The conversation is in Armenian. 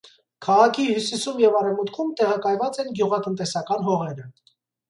Քաղաքի հյուսիսում և արևմուտքում տեղակայված են գյուղատնտեսական հողերը։